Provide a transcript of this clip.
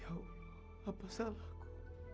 ya allah apa salahku